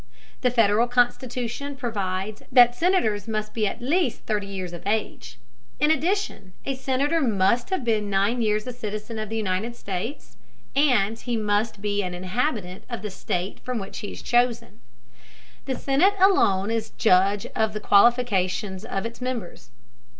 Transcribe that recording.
The Federal Constitution provides that Senators must be at least thirty years of age. In addition, a Senator must have been nine years a citizen of the United States, and he must be an inhabitant of the state from which he is chosen. The Senate alone is judge of the qualifications of its members.